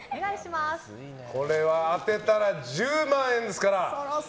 これは当てたら１０万円ですから。